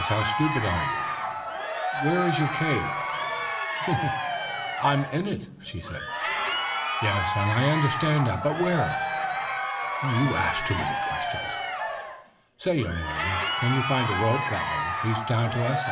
How stupid you are!" "Where is your cave?" "I'm in it." "Yes, I understand that, but where?" "You ask too many questions." "Say, young lady, can you find a rope that will reach down to us?"